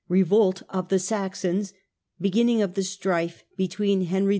vREVOLT OF THE SAXONS. BEGINNINGS OF STRIFE JJETWEEN HENRY IV.